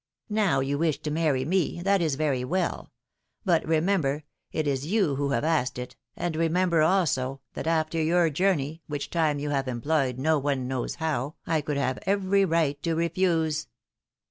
Now, you wish to marry me, that is very well ; but, remember, it is you who have asked it, and remember, also, that after your journey, which time you have employed, no one knows how, I could have every right to refuse.